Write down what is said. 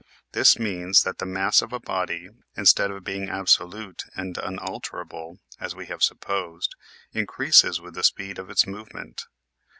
This means that the mass of a body, instead of being abso lute and unalterable as we have supposed, increases with the speed of its movement.